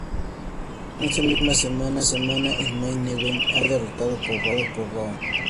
Esa misma semana en Main Event, Axel fue derrotado por Rowan.